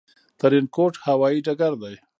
ترينکوټ هوايي ډګر دى